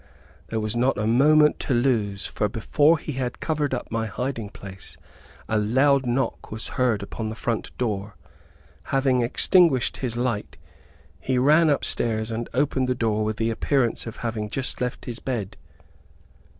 There was not a moment to lose, for before he had covered up my hiding place, a loud knock was heard upon the front door. Having extinguished his light, he ran up stairs, and opened the door with the appearance of having just left his bed.